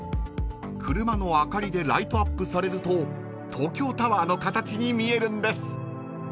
［車の明かりでライトアップされると東京タワーの形に見えるんです］